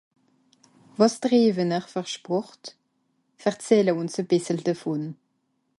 Wàs triiwe-n-r fer Sport ? Verzehle ùns e bìssel devùn.